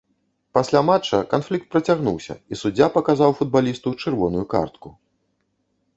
Пасля матча канфлікт працягнуўся, і суддзя паказаў футбалісту чырвоную картку.